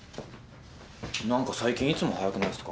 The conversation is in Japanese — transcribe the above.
何か最近いつも早くないっすか？